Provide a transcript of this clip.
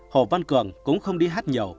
hồ văn cường cũng không đi hát nhiều